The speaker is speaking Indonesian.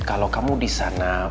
kalau kamu di sana